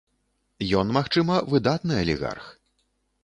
Ён, магчыма, выдатны алігарх.